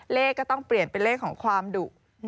เลขก็ต้องเปลี่ยนเป็นเลขของความดุ